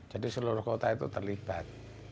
jadi seluruh kota itu terlibat